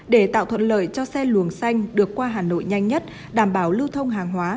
để tạo thuận lợi cho xe luồng xanh được qua hà nội nhanh nhất đảm bảo lưu thông hàng hóa